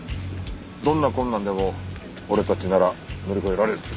どんな困難でも俺たちなら乗り越えられる。